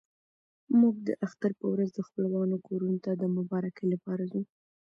موږ د اختر په ورځ د خپلوانو کورونو ته د مبارکۍ لپاره ځو.